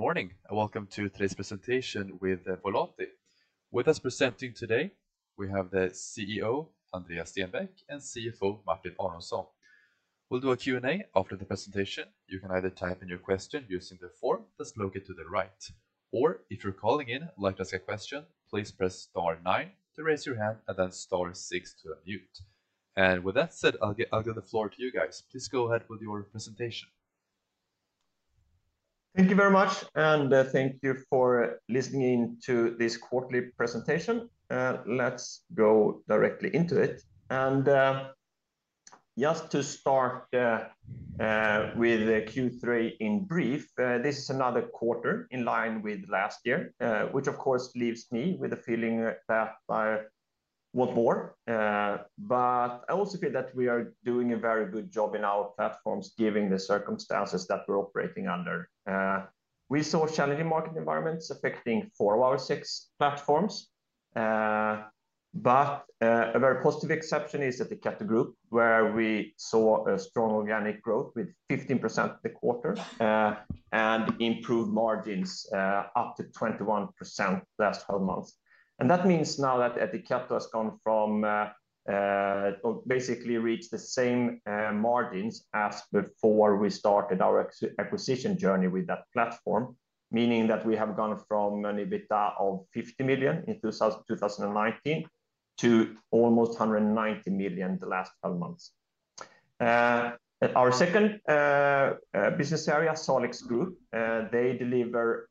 Good morning, and welcome to today's presentation with Volati. With us presenting today, we have the CEO, Andreas Stenbäck, and CFO, Martin Aronsson. We'll do a Q&A after the presentation. You can either type in your question using the form that's located to the right, or if you're calling in to ask a question, please press star nine to raise your hand and then star six to unmute. And with that said, I'll give the floor to you guys. Please go ahead with your presentation. Thank you very much, and thank you for listening in to this quarterly presentation. Let's go directly into it. And just to start with the Q3 in brief, this is another quarter in line with last year, which of course leaves me with a feeling that I want more. But I also feel that we are doing a very good job in our platforms, giving the circumstances that we're operating under. We saw challenging market environments affecting four of our six platforms. But a very positive exception is that the Ettiketto Group, where we saw a strong organic growth with 15% the quarter, and improved margins up to 21% last twelve months. That means now that Ettiketto Group has come from basically reached the same margins as before we started our acquisition journey with that platform, meaning that we have gone from an EBITDA of 50 million in 2019 to almost 190 million the last twelve months. At our second business area, Salix Group, they deliver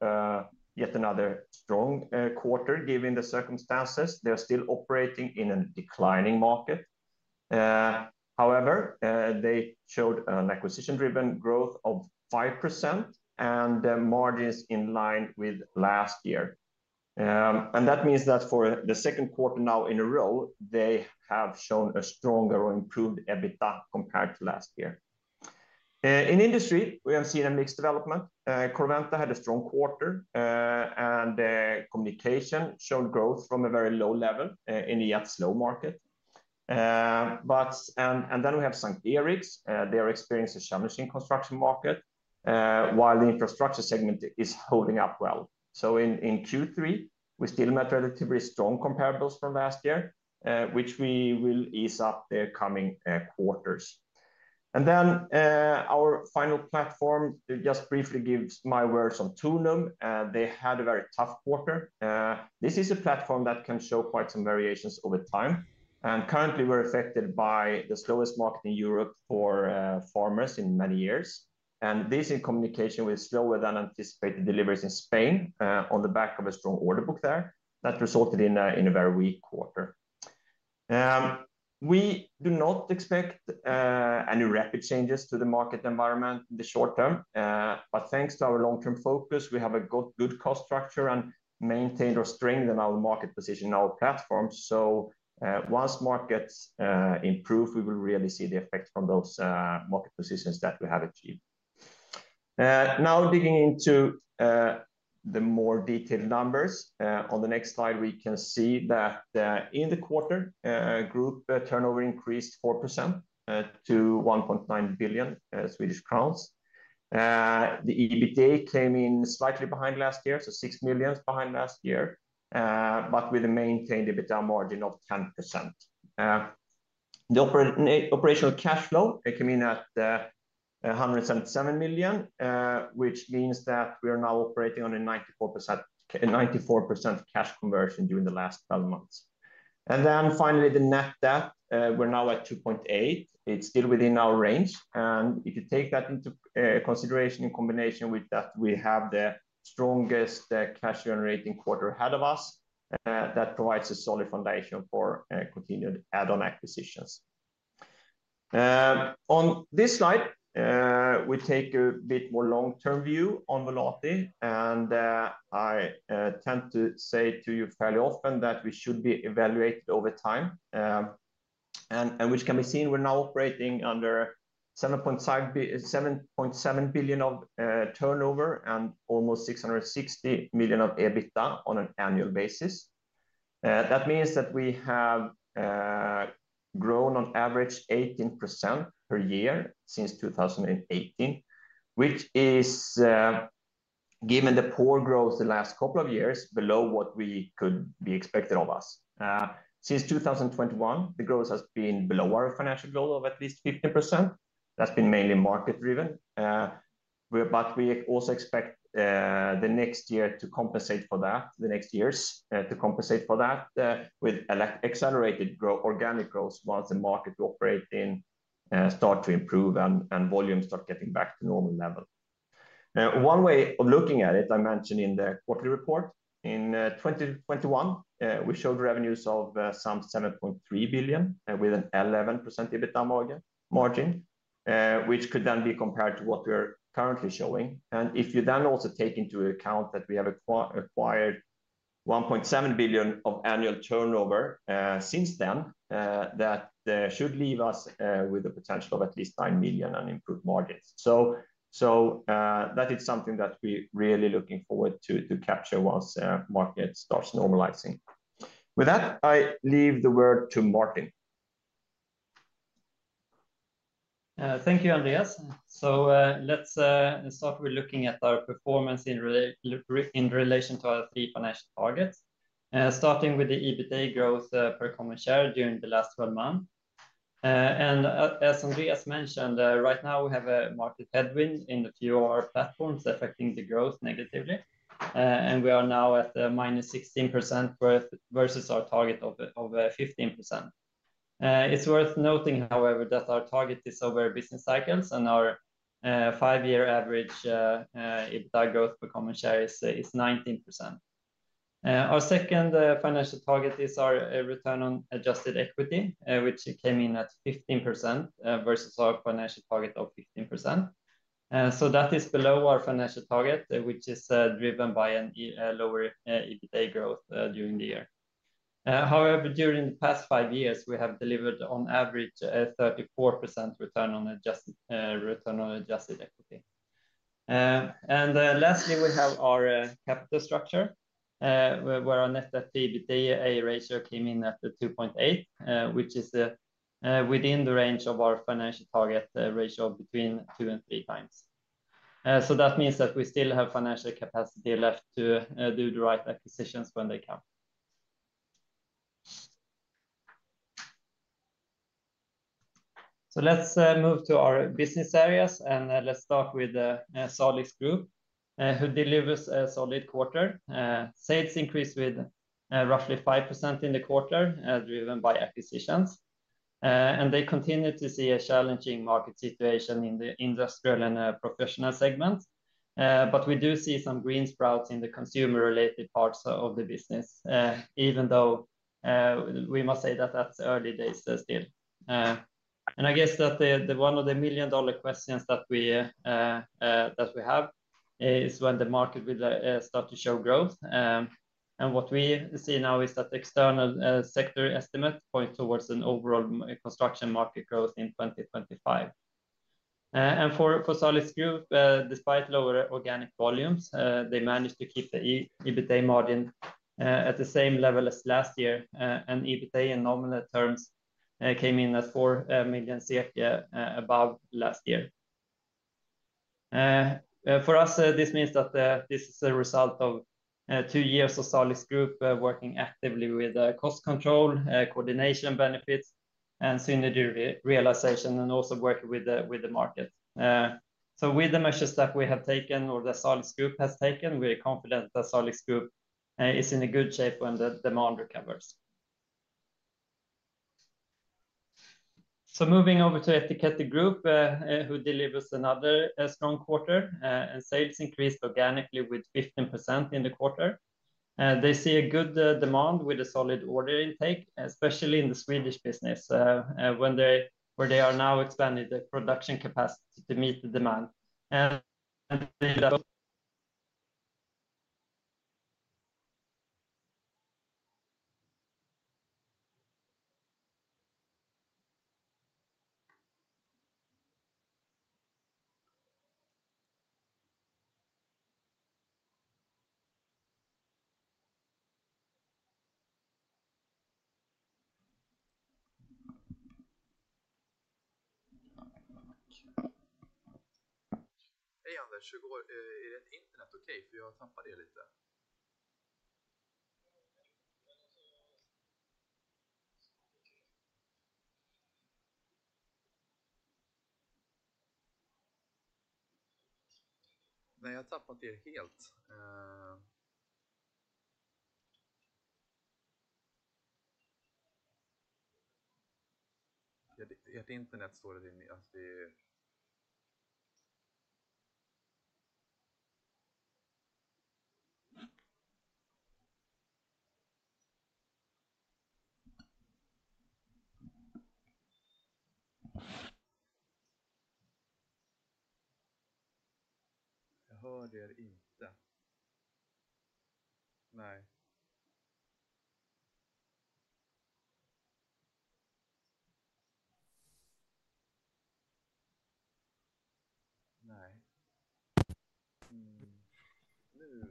yet another strong quarter given the circumstances. They are still operating in a declining market. However, they showed an acquisition-driven growth of 5% and margins in line with last year. That means that for the second quarter now in a row, they have shown a stronger or improved EBITDA compared to last year. In Industry, we have seen a mixed development. Corroventa had a strong quarter, and Communication showed growth from a very low level in a yet slow market, and then we have S:t Eriks. They are experiencing challenges in construction market while the infrastructure segment is holding up well, so in Q3 we still met relatively strong comparables from last year, which we will ease up the coming quarters, and then our final platform, just briefly give my words on Tornum, they had a very tough quarter. This is a platform that can show quite some variations over time, and currently we're affected by the slowest market in Europe for farmers in many years. And this, in communication with slower than anticipated deliveries in Spain, on the back of a strong order book there, that resulted in a very weak quarter. We do not expect any rapid changes to the market environment in the short term, but thanks to our long-term focus, we have a good, good cost structure and maintained or strengthened our market position in our platforms. So, once markets improve, we will really see the effect from those market positions that we have achieved. Now digging into the more detailed numbers. On the next slide, we can see that, in the quarter, group turnover increased 4% to 1.9 billion Swedish crowns. The EBITA came in slightly behind last year, so 6 million behind last year, but with a maintained EBITDA margin of 10%. The operational cash flow, it came in at 107 million, which means that we are now operating on a 94% cash conversion during the last twelve months. And then finally, the net debt, we're now at 2.8. It's still within our range, and if you take that into consideration in combination with that, we have the strongest cash-generating quarter ahead of us, that provides a solid foundation for continued add-on acquisitions. On this slide, we take a bit more long-term view on Volati, and I tend to say to you fairly often that we should be evaluated over time, and which can be seen, we're now operating under 7.7 billion of turnover and almost 660 million of EBITDA on an annual basis. That means that we have grown on average 18% per year since 2018, which is, given the poor growth the last couple of years, below what we could be expected of us. Since 2021, the growth has been below our financial goal of at least 50%. That's been mainly market driven. We, but we also expect the next year to compensate for that, the next years to compensate for that with accelerated growth, organic growth, once the market we operate in start to improve and volume start getting back to normal level. One way of looking at it, I mentioned in the quarterly report, in 2021, we showed revenues of some 7.3 billion, with an 11% EBITDA margin, which could then be compared to what we are currently showing. And if you then also take into account that we have acquired 1.7 billion of annual turnover since then, that should leave us with the potential of at least nine million on improved margins. So, that is something that we're really looking forward to capture once market starts normalizing. With that, I leave the word to Martin. Thank you, Andreas. Let's start with looking at our performance in relation to our three financial targets. Starting with the EBITA growth per common share during the last twelve months. And as Andreas mentioned, right now, we have a market headwind in a few of our platforms affecting the growth negatively. And we are now at minus 16% versus our target of 15%. It's worth noting, however, that our target is over business cycles, and our five-year average EBITA growth per common share is 19%. Our second financial target is our return on adjusted equity, which came in at 15% versus our financial target of 15%. So that is below our financial target, which is driven by a lower EBITA growth during the year. However, during the past five years, we have delivered on average 34% return on adjusted equity. And lastly, we have our capital structure, where our net debt to EBITDA ratio came in at 2.8, which is within the range of our financial target ratio of between 2x and 3x. So that means that we still have financial capacity left to do the right acquisitions when they come. So let's move to our business areas, and let's start with Salix Group, who delivers a solid quarter. Sales increased with roughly 5% in the quarter, driven by acquisitions, and they continue to see a challenging market situation in the industrial and professional segment, but we do see some green shoots in the consumer-related parts of the business, even though we must say that that's early days still. And I guess that the one of the million-dollar questions that we have is when the market will start to show growth. And what we see now is that external sector estimates point towards an overall construction market growth in 2025. And for Salix Group, despite lower organic volumes, they managed to keep the EBITA margin at the same level as last year. And EBITA, in nominal terms, came in at 4 million above last year. For us, this means that this is a result of two years of Salix Group working actively with cost control, coordination benefits, and synergy realization, and also working with the market. So with the measures that we have taken, or that Salix Group has taken, we are confident that Salix Group is in a good shape when the demand recovers. So moving over to Ettiketto Group, who delivers another strong quarter, and sales increased organically with 15% in the quarter. They see a good demand with a solid order intake, especially in the Swedish business, where they are now expanding the production capacity to meet the demand. And, and- Hey, Andreas, how are you? Is your internet okay? Because I lost it a little. No, I lost it completely. Your internet is failing me. I can't hear you. No. No.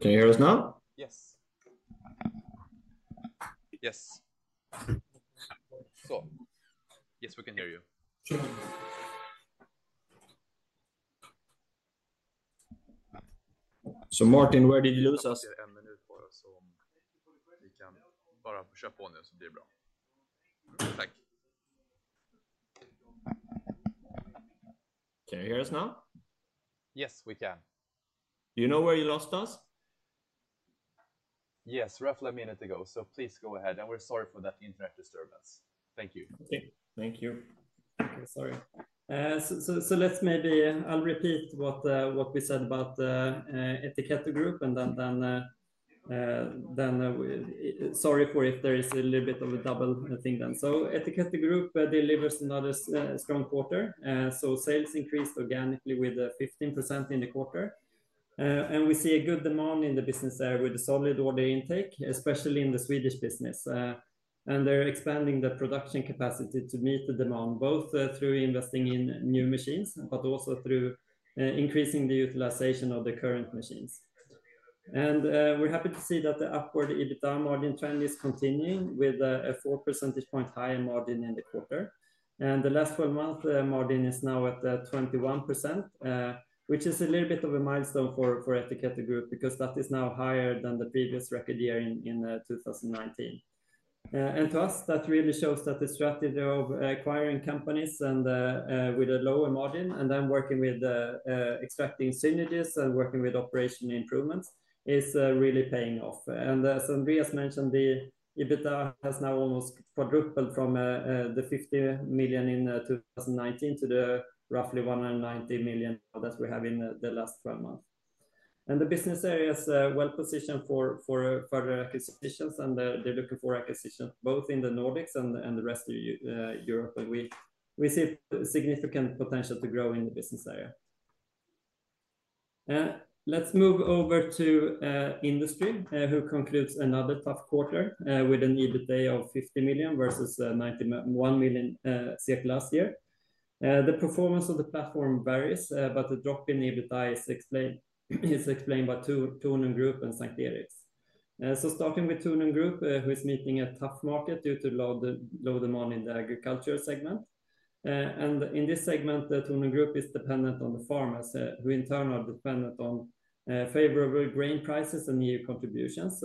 Can you hear us now? Yes. Yes. So, yes, we can hear you. Martin, where did you lose us? Just keep going, and it will be fine. Thank you. Can you hear us now? Yes, we can. Do you know where you lost us? Yes, roughly a minute ago, so please go ahead, and we're sorry for that internet disturbance. Thank you. Okay. Sorry, so let's, maybe I'll repeat what we said about the Ettiketto Group sorry if there's a little bit of a double, Ettiketto Group delivers another strong quarter. Sales increased organically with 15% in the quarter. We see a good demand in the business there with a solid order intake, especially in the Swedish business. They're expanding the production capacity to meet the demand, both through investing in new machines, but also through increasing the utilization of the current machines. We're happy to see that the upward EBITDA margin trend is continuing, with a four percentage point higher margin in the quarter. And the last twelve months, the margin is now at 21%, which is a little bit of a milestone for Ettiketto Group, because that is now higher than the previous record year in two thousand and nineteen. And to us, that really shows that the strategy of acquiring companies and with a lower margin and then working with extracting synergies and working with operational improvements is really paying off. And as Andreas mentioned, the EBITDA has now almost quadrupled from the 50 million in two thousand and nineteen to the roughly 190 million that we have in the last twelve months. And the business area is well positioned for further acquisitions, and they're looking for acquisition both in the Nordics and the rest of Europe. And we see significant potential to grow in the business area. Let's move over to industry, who concludes another tough quarter with an EBITDA of 50 million versus 91 million last year. The performance of the platform varies, but the drop in EBITDA is explained by two, Tornum Group and S:t Eriks. So starting with Tornum Group, who is meeting a tough market due to low demand in the agriculture segment. And in this segment, the Tornum Group is dependent on the farmers, who in turn are dependent on favorable grain prices and weather conditions,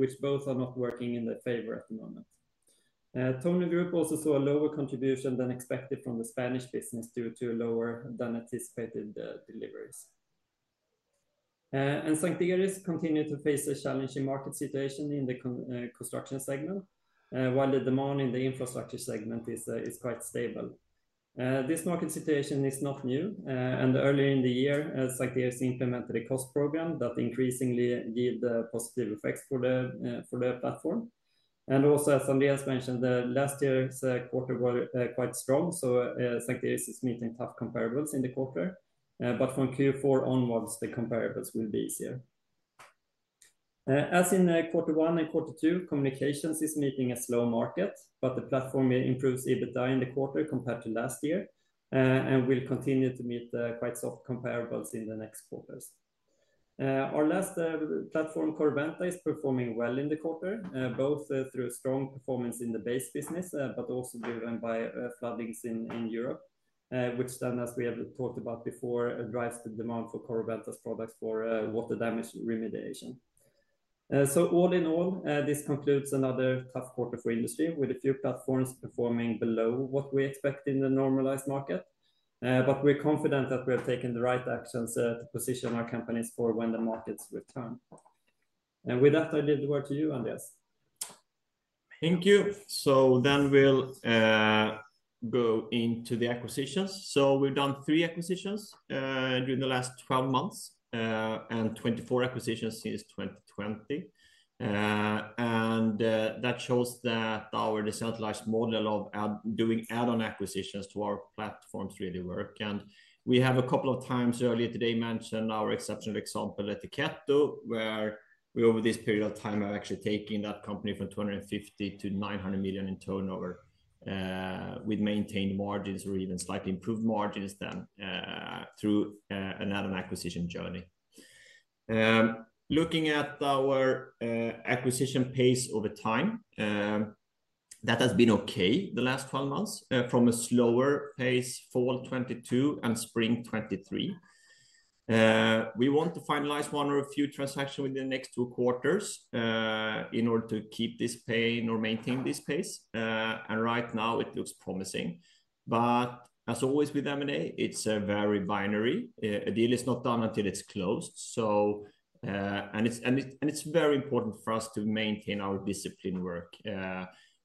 which both are not working in their favor at the moment. Tornum Group also saw a lower contribution than expected from the Spanish business due to lower than anticipated deliveries. And S:t Eriks continued to face a challenging market situation in the construction segment, while the demand in the infrastructure segment is quite stable. This market situation is not new, and earlier in the year, as S:t Eriks implemented a cost program that increasingly give the positive effects for the platform. And also, as Andreas mentioned, the last year's quarter was quite strong, so S:t Eriks is meeting tough comparables in the quarter. But from Q4 onwards, the comparables will be easier. As in quarter one and quarter two, Communications is meeting a slow market, but the platform improves EBITDA in the quarter compared to last year, and will continue to meet quite soft comparables in the next quarters. Our last platform, Corroventa, is performing well in the quarter, both through strong performance in the base business, but also driven by floodings in Europe, which then, as we have talked about before, drives the demand for Corroventa's products for water damage remediation. So all in all, this concludes another tough quarter for industry, with a few platforms performing below what we expect in the normalized market. But we're confident that we have taken the right actions to position our companies for when the markets return. With that, I give the word to you, Andreas. Thank you. So then we'll go into the acquisitions. So we've done three acquisitions during the last 12 months and 24 acquisitions since 2020. And that shows that our decentralized model of doing add-on acquisitions to our platforms really work. And we have a couple of times earlier today mentioned our exceptional example at Ettiketto, where we, over this period of time, have actually taken that company from 250 million to 900 million in turnover with maintained margins or even slightly improved margins than through an add-on acquisition journey. Looking at our acquisition pace over time, that has been okay the last 12 months from a slower pace, fall 2022 and spring 2023. We want to finalize one or a few transactions within the next two quarters in order to keep this pace or maintain this pace, and right now it looks promising, but as always with M&A, it's very binary. A deal is not done until it's closed, so it's very important for us to maintain our discipline work.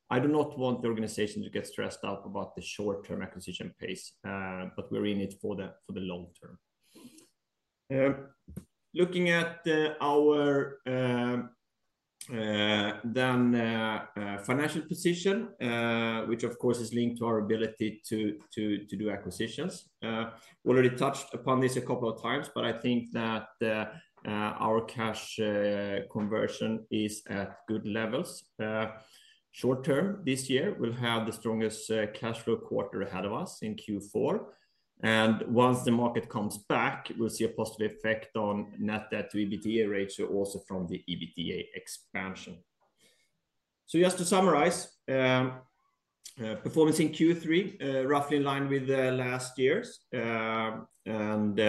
I do not want the organization to get stressed out about the short-term acquisition pace, but we're in it for the long term. Looking at our financial position, which of course is linked to our ability to do acquisitions, already touched upon this a couple of times, but I think that our cash conversion is at good levels. Short term, this year, we'll have the strongest cash flow quarter ahead of us in Q4, and once the market comes back, we'll see a positive effect on net debt to EBITDA ratio, also from the EBITDA expansion, so just to summarize, performance in Q3 roughly in line with last year's, and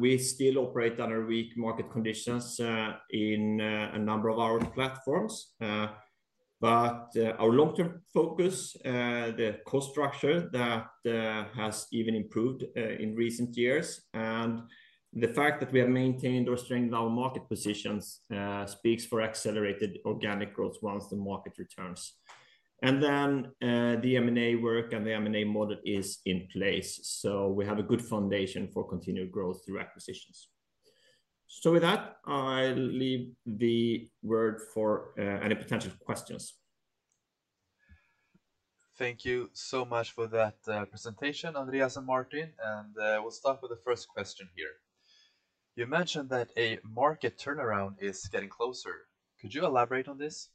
we still operate under weak market conditions in a number of our platforms, but our long-term focus, the cost structure that has even improved in recent years, and the fact that we have maintained or strengthened our market positions speaks for accelerated organic growth once the market returns, and then the M&A work and the M&A model is in place, so we have a good foundation for continued growth through acquisitions. So with that, I'll leave the floor for any potential questions. Thank you so much for that presentation, Andreas and Martin, and we'll start with the first question here. You mentioned that a market turnaround is getting closer. Could you elaborate on this?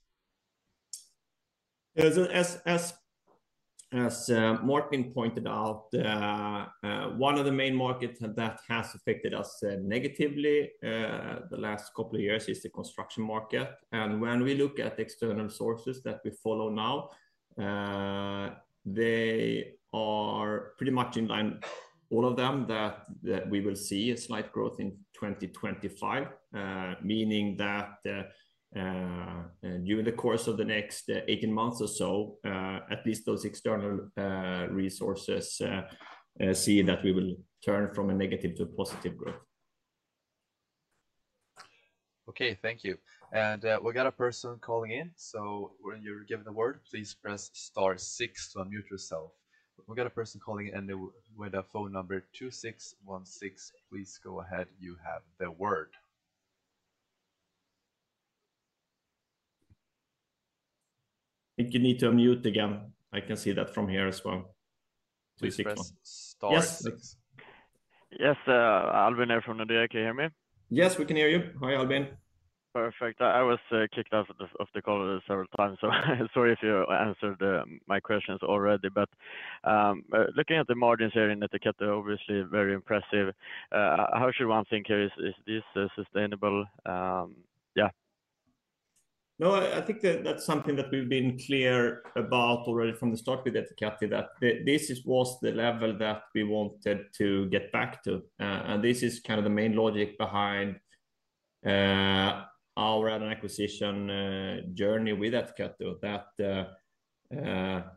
As Martin pointed out, one of the main markets that has affected us negatively the last couple of years is the construction market. And when we look at the external sources that we follow now, they are pretty much in line, all of them, that we will see a slight growth in 2025. Meaning that during the course of the next eighteen months or so, at least those external resources see that we will turn from a negative to a positive growth. Okay, thank you. And, we got a person calling in, so when you're given the word, please press star six to unmute yourself. We've got a person calling in, and with a phone number two six one six, please go ahead. You have the word. I think you need to unmute again. I can see that from here as well. Please Press star six. Yes. Yes, Albin here from Nordea. Can you hear me? Yes, we can hear you. Hi, Albin. Perfect. I was kicked off of the call several times, so sorry if you answered my questions already, but looking at the margins here in Ettiketto, they're obviously very impressive. How should one think here? Is this sustainable? Yeah. No, I think that that's something that we've been clear about already from the start with Ettiketto, that this is was the level that we wanted to get back to. This is kind of the main logic behind our acquisition journey with Ettiketto. That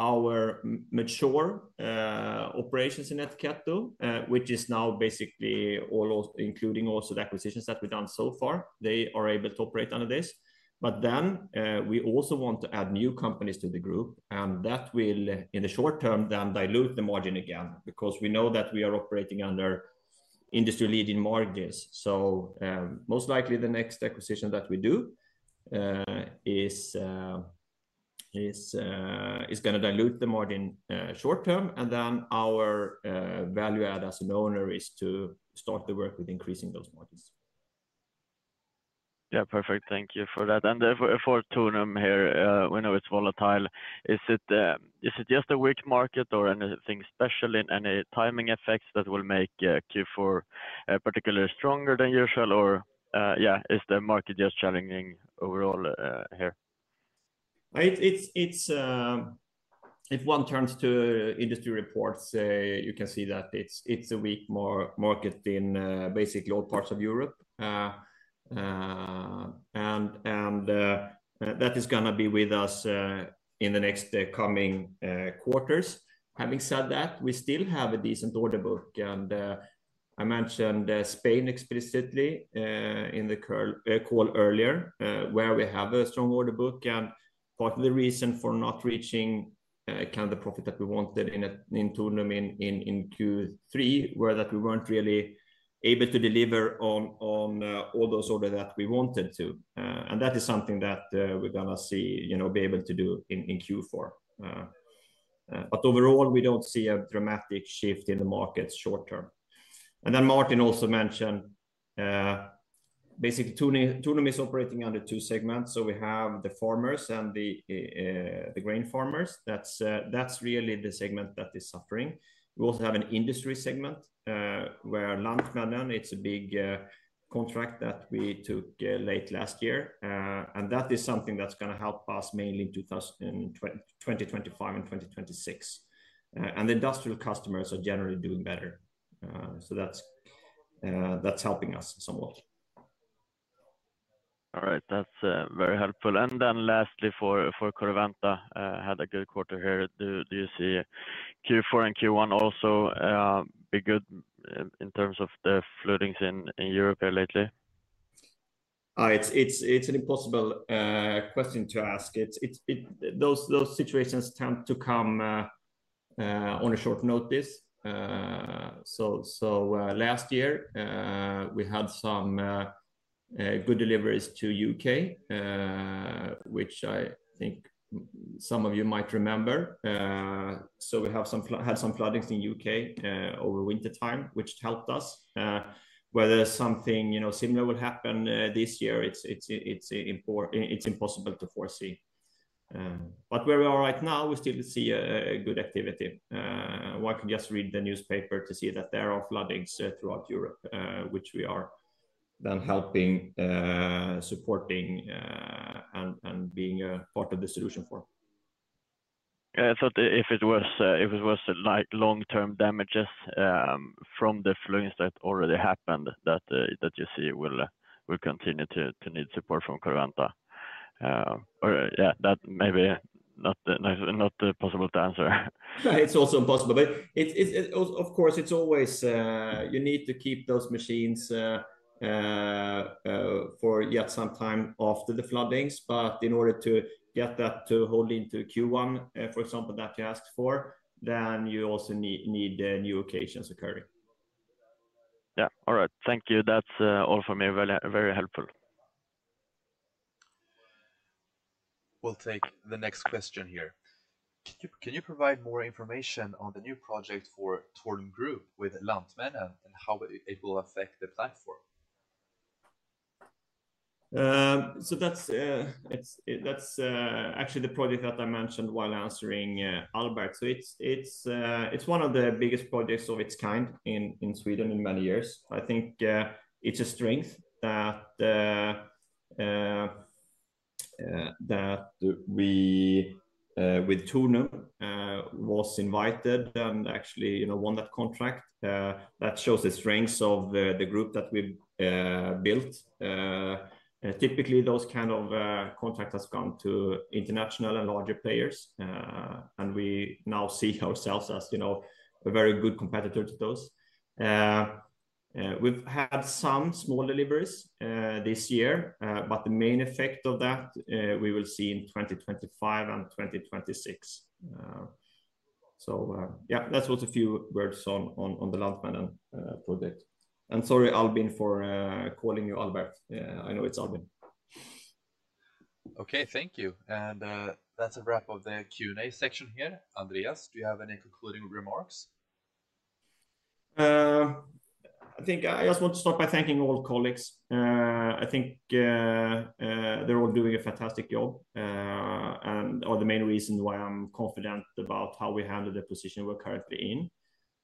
our mature operations in Ettiketto, which is now basically all including also the acquisitions that we've done so far, they are able to operate under this. But then we also want to add new companies to the group, and that will, in the short term, then dilute the margin again, because we know that we are operating under industry-leading margins. Most likely the next acquisition that we do is going to dilute the margin short term, and then our value add as an owner is to start the work with increasing those margins. Yeah, perfect. Thank you for that. And for Tornum here, we know it's volatile. Is it just a weak market or anything special in any timing effects that will make Q4 particularly stronger than usual? Or, yeah, is the market just challenging overall here? It's, if one turns to industry reports, you can see that it's a weak market in basically all parts of Europe. And that is going to be with us in the next coming quarters. Having said that, we still have a decent order book, and I mentioned Spain explicitly in the current call earlier, where we have a strong order book. And part of the reason for not reaching kind of the profit that we wanted in Tornum in Q3 were that we weren't really able to deliver on all those order that we wanted to. And that is something that we're going to see, you know, be able to do in Q4. But overall, we don't see a dramatic shift in the market short term. And then Martin also mentioned, basically, Tornum is operating under two segments. So we have the farmers and the grain farmers. That's really the segment that is suffering. We also have an industry segment, where Lantmännen, it's a big contract that we took late last year. And that is something that's going to help us mainly in 2025 and 2026. And the industrial customers are generally doing better. So that's helping us somewhat. All right. That's very helpful. And then lastly, for Corroventa, had a good quarter here. Do you see Q4 and Q1 also be good in terms of the floodings in Europe here lately? It's an impossible question to ask. It's, those situations tend to come on a short notice, so last year we had some good deliveries to U.K., which I think some of you might remember, so we had some floodings in U.K. over wintertime, which helped us. Whether something, you know, similar would happen this year, it's impossible to foresee, but where we are right now, we still see a good activity. One can just read the newspaper to see that there are floodings throughout Europe, which we are then helping, supporting, and being a part of the solution for. Yeah, I thought if it was like long-term damages from the floodings that already happened, that you see will continue to need support from Corroventa. Or, yeah, that may be not possible to answer. It's also impossible, but of course it's always you need to keep those machines for yet some time after the floodings. But in order to get that to hold into Q1, for example, that you asked for, then you also need new occasions occurring. Yeah. All right. Thank you. That's all for me. Very, very helpful. We'll take the next question here. Can you, can you provide more information on the new project for Tornum Group with Lantmännen, and how it will affect the platform? So that's actually the project that I mentioned while answering Albin. So it's one of the biggest projects of its kind in Sweden in many years. I think it's a strength that we with Tornum was invited and actually, you know, won that contract. That shows the strengths of the group that we've built. Typically, those kind of contract has gone to international and larger players, and we now see ourselves as, you know, a very good competitor to those. We've had some small deliveries this year, but the main effect of that we will see in 2025 and 2026. So yeah, that was a few words on the Lantmännen project. Sorry, Albin, for calling you Albert. I know it's Albin. Okay, thank you. And, that's a wrap of the Q&A section here. Andreas, do you have any concluding remarks? I think I just want to start by thanking all colleagues. They're all doing a fantastic job and are the main reason why I'm confident about how we handle the position we're currently in,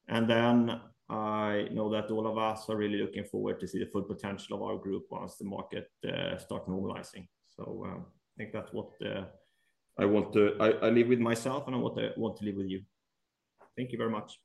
and then I know that all of us are really looking forward to see the full potential of our group once the market start normalizing, so I think that's what I want to leave with myself, and I want to leave with you. Thank you very much.